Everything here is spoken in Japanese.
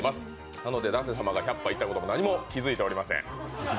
なので舘様が１００杯いったことも、何も気づいていません。